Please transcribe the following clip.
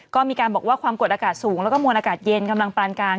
ก็มีการบอกว่าความกดอากาศสูงแล้วก็มวลอากาศเย็นกำลังปานกลาง